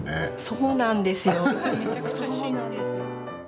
そうなんですよ。